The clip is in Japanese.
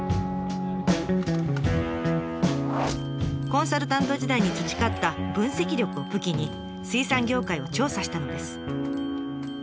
コンサルタント時代に培った分析力を武器に水産業界を調査したのです。